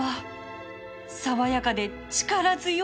爽やかで力強い苦み